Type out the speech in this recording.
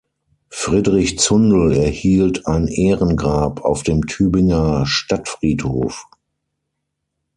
Friedrich Zundel erhielt ein Ehrengrab auf dem Tübinger Stadtfriedhof.